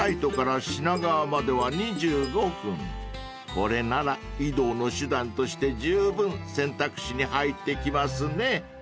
［これなら移動の手段としてじゅうぶん選択肢に入ってきますね］